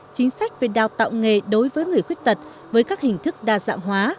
chính sách về đào tạo nghề đối với người khuyết tật với các hình thức đa dạng hóa